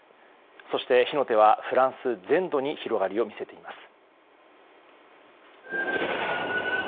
そして、火の手はフランス全土に広がりを見せています。